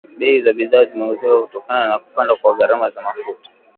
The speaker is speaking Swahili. Bei za bidhaa zimeongezeka kutokana na kupanda kwa gharama za mafuta